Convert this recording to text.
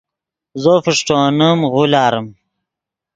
زو فݰٹونیم غولاریم